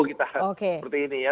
ya seperti ini ya